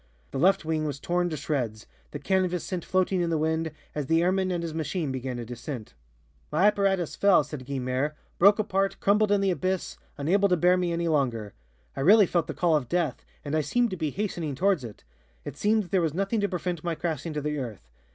The left wing was torn to shreds, the canvas sent floating in the wind, as the airman and his machine began a descent. [Illustration: GUYNEMER FACE TO FACE WITH A DEFEATED BOCHE] "My apparatus fell," said Guynemer, "broke apart, crumpled up in the abyss, unable to bear me any longer. I really felt the call of death and I seemed to be hastening towards it. It seemed that there was nothing to prevent my crashing to the earth.